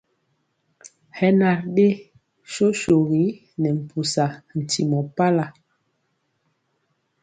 Hɛ na ri ɗe sosogi nɛ mpusa ntimɔ pala.